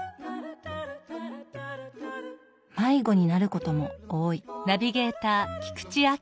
迷子になることも多い。